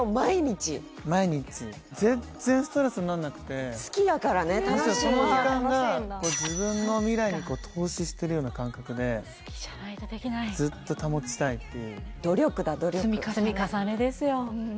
毎日好きやからね楽しいんやむしろその時間が自分の未来に投資してるような感覚で好きじゃないとできないずっと保ちたいっていう努力だ努力積み重ねですよ